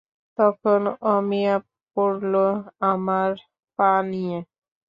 তখন অমিয়া পড়ল আমার পা নিয়ে।